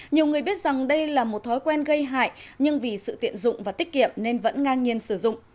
nhiều người biết rằng đây là một thói quen gây hại nhưng vì sự tiện dụng và tiết kiệm nên vẫn ngang nhiên sử dụng